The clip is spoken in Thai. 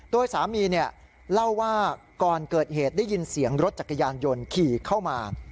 โดยสามีเล่าว่าก่อนเกิดเหตุได้ยินเสียงรถจักรยานยนต์ขี่เข้ามา